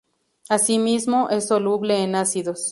Asimismo, es soluble en ácidos.